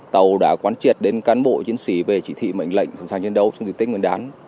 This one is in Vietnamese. tàu đã quán triệt đến cán bộ chiến sĩ về chỉ thị mệnh lệnh sẵn sàng chiến đấu trong dịch tích nguyên đán